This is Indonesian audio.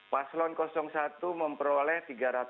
paslon satu memperoleh tiga ratus delapan puluh delapan